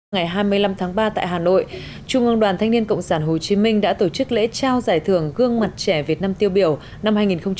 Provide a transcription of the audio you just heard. ngày hai mươi năm tháng ba tại hà nội trung ương đoàn thanh niên cộng sản hồ chí minh đã tổ chức lễ trao giải thưởng gương mặt trẻ việt nam tiêu biểu năm hai nghìn hai mươi